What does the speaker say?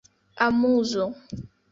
amuzo